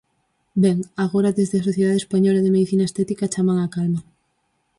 Ben: agora desde a Sociedade Española de Medicina Estética chaman á calma.